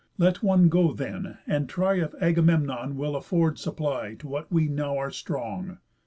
Let one go then, and try If Agamemnon will afford supply To what we now are strong.